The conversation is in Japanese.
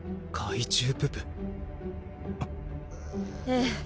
ええ。